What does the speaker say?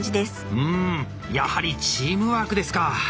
うんやはりチームワークですか。